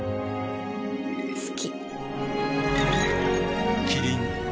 好き。